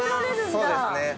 そうですね。